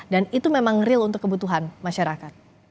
dan itu memang real untuk kebutuhan masyarakat